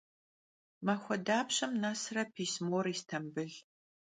Maxue dapşem nesre pismor Yistambıl?